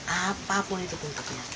apapun itu bentuknya